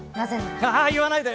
あぁ言わないで！